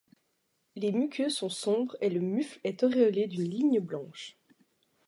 Les muqueuses sont sombres et le mufle est auréolé d'une ligne blanche.